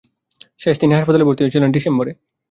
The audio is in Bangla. শেষ তিনি হাসপাতালে ভর্তি হয়েছিলেন ডিসেম্বরে।